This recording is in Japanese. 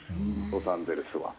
ロサンゼルスは。